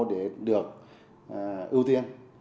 để được ưu tiên